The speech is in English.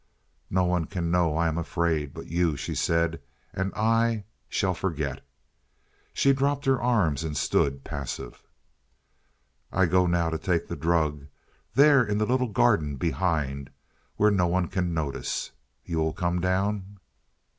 "No one can know I am afraid but you," she said. "And I shall forget." She dropped her arms and stood passive. "I go now to take the drug there in the little garden behind, where no one can notice. You will come down?"